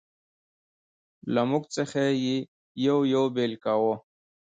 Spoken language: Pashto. له موږ څخه یې یو یو بېل کاوه.